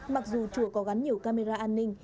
mặc dù chùa có gắn nhiều camera an ninh